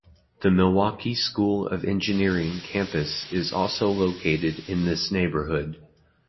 The Milwaukee School of Engineering campus is also located in this neighborhood.